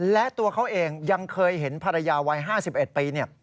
และตัวเขาเองยังเคยเห็นภรรยาวัย๕๑ปี